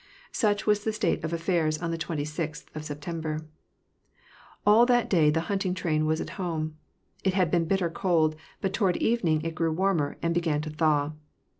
Such was the state of affairs on the 26th of September. All that day the hunting train was at home. It had been bitter cold, but toward evening it grew warmer and began to thaw.